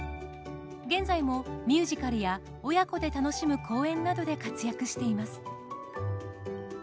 現在もミュージカルや親子で楽しむ公演などで活躍しています。